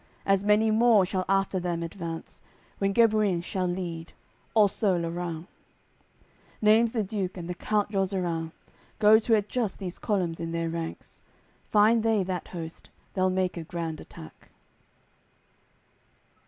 As many more shall after them advance, Whom Gebuins shall lead, also Lorains." Naimes the Duke and the count Jozerans Go to adjust these columns in their ranks. Find they that host, they'll make a grand attack.